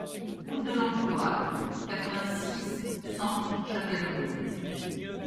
Route de Lencloître, quatre-vingt-six, cent Châtellerault